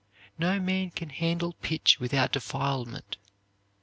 No man can handle pitch without defilement.